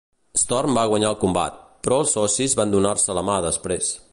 Storm va guanyar el combat, però els socis van donar-se la mà després.